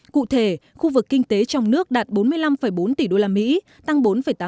cụ thể khu vực kinh tế trong nước đạt bốn mươi năm bốn tỷ usd tăng bốn tám